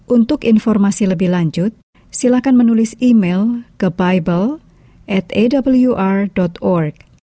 untuk informasi lebih lanjut silahkan menulis email ke bible atawr org